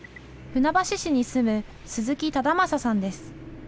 船橋市に住む鈴木唯将さんです。